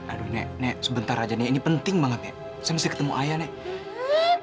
aduh nenek nenek sebentar aja ini penting banget nenek saya mesti ketemu ayah nenek